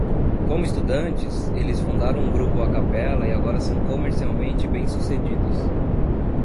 Como estudantes, eles fundaram um grupo a capella e agora são comercialmente bem-sucedidos.